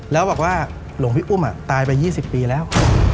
แล้วบอกว่าหลวงพี่อุ้มตายไป๒๐ปีแล้ว